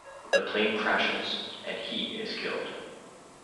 The plane crashes and he is killed.